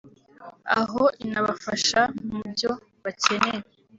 aho inabafasha mu byo bakeneye